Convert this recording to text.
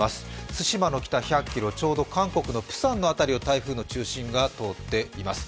津島の北、１００キロ、ちょうど韓国のあたりを台風の中心が通っています。